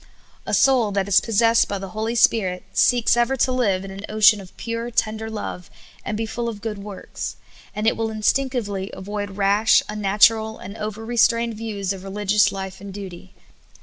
A soul that is possessed by the Holy Spirit seeks ever to live in an ocean of pure, tender love, and be full of good works ; and it will instinctively avoid rash, unnatural, and over strained view^s of religious life and duty.